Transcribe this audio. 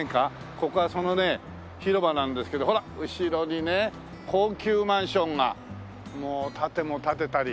ここはそのね広場なんですけどほら後ろにね高級マンションがもう建ても建てたり。